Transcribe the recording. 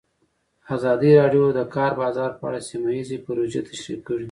ازادي راډیو د د کار بازار په اړه سیمه ییزې پروژې تشریح کړې.